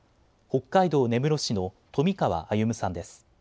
北海道根室市の冨川歩さんです。